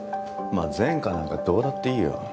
まあ前科なんかどうだっていいよ。